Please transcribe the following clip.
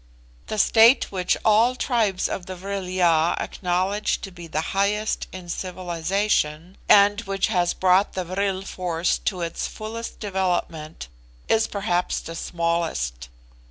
The state which all tribes of the Vril ya acknowledge to be the highest in civilisation, and which has brought the vril force to its fullest development, is perhaps the smallest.